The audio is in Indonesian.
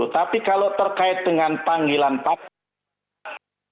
tapi kalau terkait dengan panggilan paksa